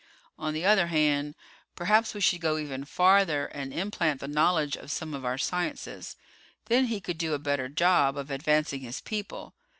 On the other hand, perhaps we should go even farther and implant the knowledge of some of our sciences. Then he could do a better job of advancing his people.